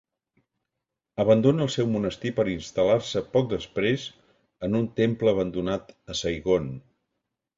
Abandona el seu monestir per instal·lar-se poc després en un temple abandonat a Saigon.